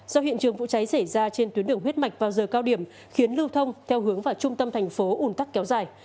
do hiện trường vụ cháy xảy ra trên tuyến đường huyết mạch vào giờ cao điểm khiến lưu thông theo hướng vào trung tâm thành phố un tắc kéo dài